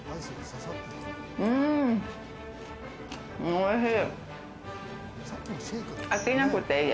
おいしい。